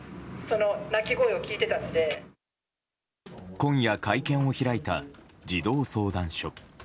今夜会見を開いた児童相談所。